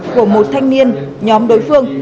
của một thanh niên nhóm đối phương